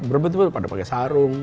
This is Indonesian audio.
berbentuk pada pakai sarung